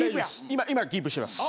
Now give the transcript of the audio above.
今キープしてます。